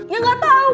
ya gak tau